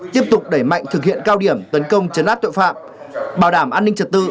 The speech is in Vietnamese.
tiếp tục đẩy mạnh thực hiện cao điểm tấn công chấn áp tội phạm bảo đảm an ninh trật tự